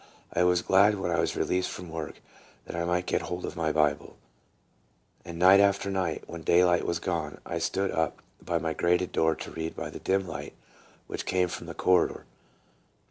I was glad when I was released from work, that I might get hold of my Bible; and night after night, when daylight was gone, I stood up by my grated door to read by the dim light which came from the corridor.